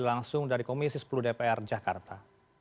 langsung dari komisi sepuluh dpr jakarta